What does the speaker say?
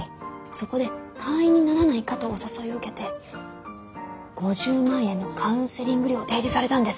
そこで会員にならないかとお誘いを受けて５０万円のカウンセリング料を提示されたんです。